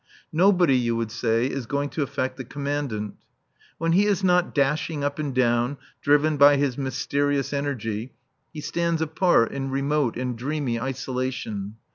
Nobody, you would say, is going to affect the Commandant. When he is not dashing up and down, driven by his mysterious energy, he stands apart in remote and dreamy isolation.